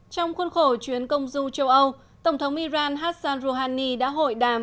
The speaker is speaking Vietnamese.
trong khuôn khổ chuyến công du châu âu tổng thống iran hassan rouhani đã hội đàm